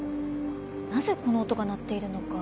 なぜこの音が鳴っているのか